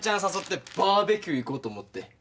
誘ってバーベキュー行こうと思って。